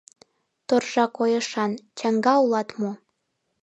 — Торжа койышан, чаҥга улат мо?